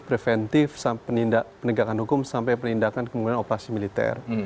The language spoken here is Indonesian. preventif penegakan hukum sampai penindakan kemudian operasi militer